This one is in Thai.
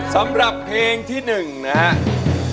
สำหรับเพลงที่๑นะครับ